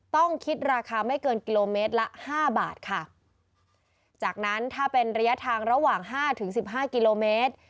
ต้องคิดราคาไม่เกินกิโลเมตรละห้าบาทค่ะจากนั้นถ้าเป็นระยะทางระหว่างห้าถึงสิบห้ากิโลเมตร